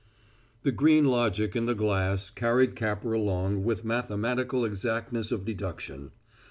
The green logic in the glass carried Capper along with mathematical exactness of deduction.